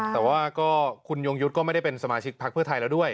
แต่ว่าก็คุณยงยุทธ์ก็ไม่ได้เป็นสมาชิกพักเพื่อไทยแล้วด้วย